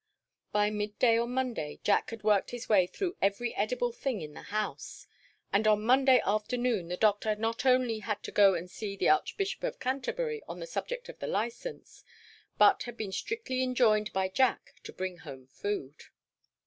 By midday on Monday Jack had worked his way through every edible thing in the house, and on Monday afternoon the Doctor not only had to go and see the Archbishop of Canterbury on the subject of the licence, but had been strictly enjoined by Jack to bring home food.